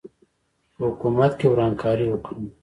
په حکومت کې ورانکاري وکړم.